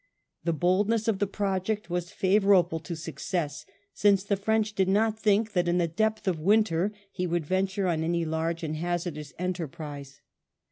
The boldness of the project was favourable to success, since the French did not think that in the depth of winter he would venture on any large and hazardous enterprise.